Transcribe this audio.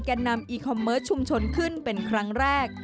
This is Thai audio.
นำอีคอมเมิร์ตชุมชนขึ้นเป็นครั้งแรก